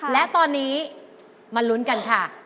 และตอนนี้มาลุ้นกันค่ะ